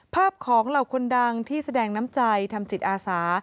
ภาพของเหล่าคนดังที่แสดงน้ำใจทำจิตอาสา